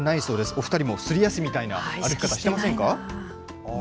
お２人もすり足みたいな歩き方してませんか？